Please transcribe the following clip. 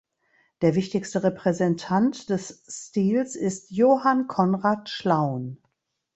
Der wichtigste Repräsentant des Stils ist Johann Conrad Schlaun.